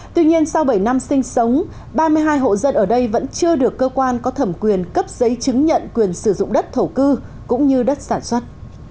tuy nhiên sau bảy năm sinh sống ba mươi hai hộ dân ở đây vẫn chưa được cơ quan có thẩm quyền cấp giấy chứng nhận quyền sử dụng đất thổ cư cũng như đất sản xuất